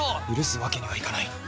許すわけにはいかない。